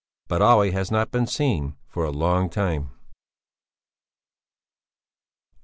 But Olle has not been seen for a long time.